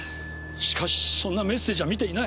しかしそんなメッセージは見ていない。